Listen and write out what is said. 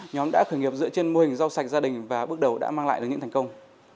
nhóm đã khởi nghiệp dựa trên mô hình rau sạch gia đình và bước đầu đã mang lại được những thành công